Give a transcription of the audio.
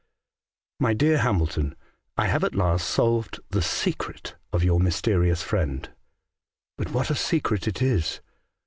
" My Dear Hamilton, — I have at last solved the secret of your mysterious friend ; but what a secret it is